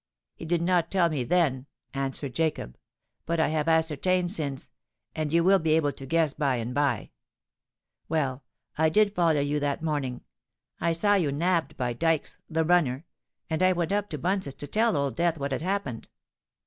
"He did not tell me then," answered Jacob; "but I have ascertained since—and you will be able to guess by and bye. Well, I did follow you that morning—I saw you nabbed by Dykes, the runner—and I went up to Bunce's to tell Old Death what had happened.